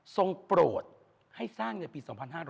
ทรงโปรดให้สร้างในปี๒๕๓๖